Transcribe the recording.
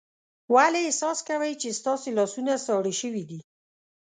ولې احساس کوئ چې ستاسو لاسونه ساړه شوي دي؟